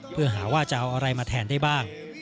เพื่อหาว่าจะเอาอะไรมาแทนได้บ้าง